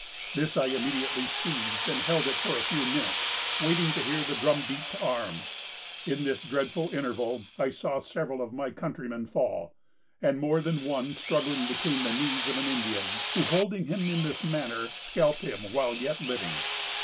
This I immediately seized, and held it for a few minutes, waiting to hear the drum beat to arms. In this dreadful interval I saw several of my countrymen fall, and more than one struggling between the knees of an Indian, who, holding him in this manner, scalped him while yet living.